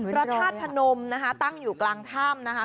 พระธาตุพนมนะคะตั้งอยู่กลางถ้ำนะคะ